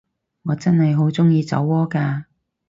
我真係好鍾意酒窩㗎